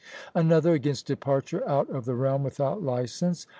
Another against "departure out of the realm without license."